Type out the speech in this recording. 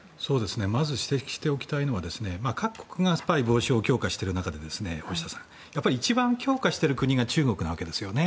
まず指摘しておきたいのは各国がスパイ防止を強化している中で一番強化している国が中国なわけですよね。